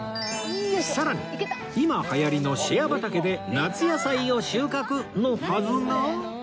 さらに今流行りのシェア畑で夏野菜を収穫！のはずが